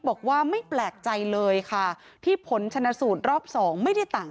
บอกว่าไม่แปลกใจเลยค่ะที่ผลชนะสูตรรอบสองไม่ได้ต่าง